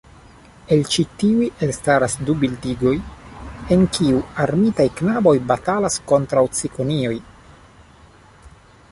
El ĉi tiuj elstaras du bildigoj, en kiuj armitaj knaboj batalas kontraŭ cikonioj.